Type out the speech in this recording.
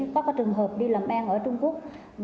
các trường hợp đi làm em ở trung quốc